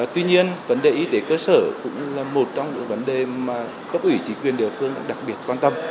tuy nhiên vấn đề y tế cơ sở cũng là một trong những vấn đề mà cấp ủy chính quyền địa phương đặc biệt quan tâm